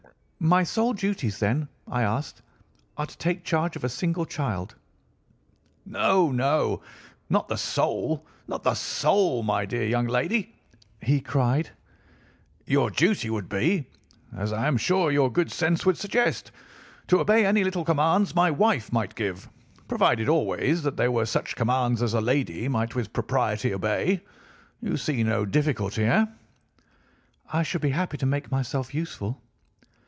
"'My sole duties, then,' I asked, 'are to take charge of a single child?' "'No, no, not the sole, not the sole, my dear young lady,' he cried. 'Your duty would be, as I am sure your good sense would suggest, to obey any little commands my wife might give, provided always that they were such commands as a lady might with propriety obey. You see no difficulty, heh?' "'I should be happy to make myself useful.